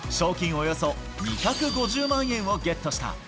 およそ２５０万円をゲットした。